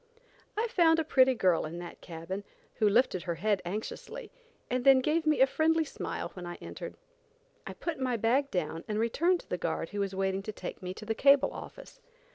I found a pretty girl in that cabin, who lifted her head anxiously, and then gave me a friendly smile when I entered. I put my bag down and returned to the guard who was waiting to take me to the cable office.